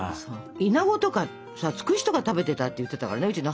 イナゴとかさツクシとか食べてたって言ってたからねうちの母なんか。